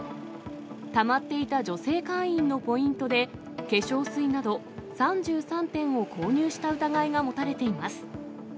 たまっていた女性会員のポイントで化粧水など３３点を購入した疑いが持たれています。